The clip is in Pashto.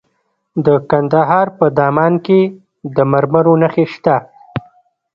د کندهار په دامان کې د مرمرو نښې شته.